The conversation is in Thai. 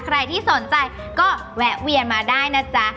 ใครที่สนใจก็แวะเวียนมาได้นะจ๊ะ